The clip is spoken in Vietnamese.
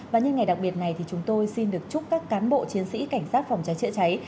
và nhân ngày đặc biệt này thì chúng tôi xin được chúc các cán bộ chiến sĩ cảnh sát phòng cháy chữa cháy